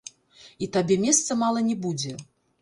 І табе месца мала не будзе.